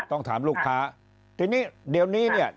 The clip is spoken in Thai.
ต้องถามลูกค้าทีนี้เดี๋ยวนี้เนี่ย